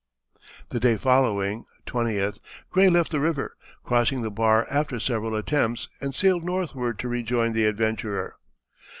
The day following (20th) Gray left the river, crossing the bar after several attempts, and sailed northward to rejoin the Adventurer.